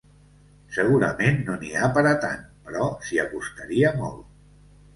Segurament no n’hi ha per a tant, però s’hi acostaria molt.